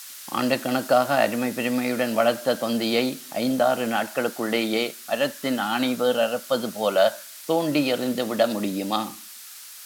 ஆண்டுக் கணக்காக அருமை பெருமையுடன் வளர்த்த தொந்தியை, ஐந்தாறு நாட்களுக்குள்ளேயே மரத்தின் ஆணிவேரறுப்பதுபோல தோண்டி எறிந்து விட முடியுமா?